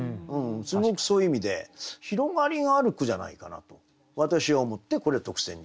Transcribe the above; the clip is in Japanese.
すごくそういう意味で広がりがある句じゃないかなと私は思ってこれ特選にしました。